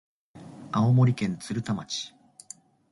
青森県鶴田町